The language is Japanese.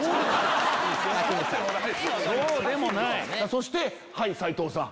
そしてはい斉藤さん。